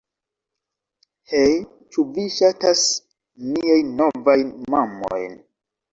Hej' ĉu vi ŝatas miajn novajn mamojn